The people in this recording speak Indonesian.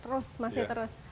terus masih terus